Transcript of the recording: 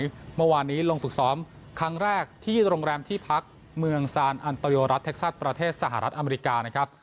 เมื่อวานนี้ลงฝึกซ้อมครั้งแรกที่โรงแรมที่พักเมืองซานอันโตโยรัฐเท็กซัสประเทศสหรัฐอเมริกานะครับ